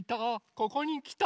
ここにきた！